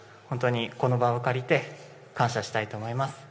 本当にこの場をかりて感謝したいと思います。